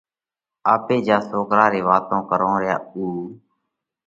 آپي جيا سوڪرا رئِي وات ڪرونه ريا اُو